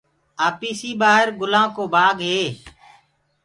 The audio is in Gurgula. آپيسي ٻآهر گُلآن بآگ هي